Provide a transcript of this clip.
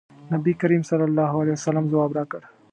نبي کریم صلی الله علیه وسلم ځواب راکړ.